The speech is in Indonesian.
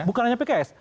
bukan hanya pks